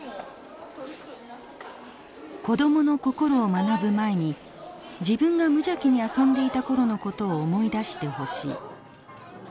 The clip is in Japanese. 子供の心を学ぶ前に自分が無邪気に遊んでいたころのことを思い出してほしい。